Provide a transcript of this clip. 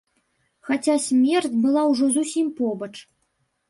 Хаця смерць была ўжо зусім побач.